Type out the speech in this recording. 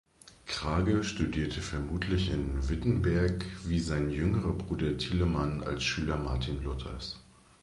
Krage studierte vermutlich in Wittenberg wie sein jüngerer Bruder Tilemann als Schüler Martin Luthers.